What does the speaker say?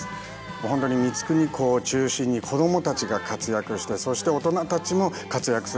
本当に光圀公を中心に子供たちが活躍してそして大人たちも活躍する。